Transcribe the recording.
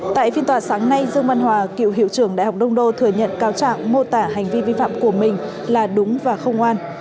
tại phiên tòa sáng nay dương văn hòa cựu hiệu trưởng đại học đông đô thừa nhận cáo trạng mô tả hành vi vi phạm của mình là đúng và không oan